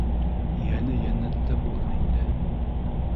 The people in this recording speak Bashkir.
— Йәне йәннәттә булһын, инде!